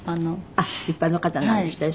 あっ一般の方なんですってね。